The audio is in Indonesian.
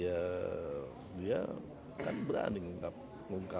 ya dia kan berani mengungkap seenaknya juga